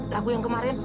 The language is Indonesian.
lagu yang kemarin